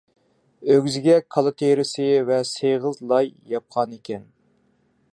ئۆگزىگە كالا تېرىسى ۋە سېغىز لاي ياپقانىكەن.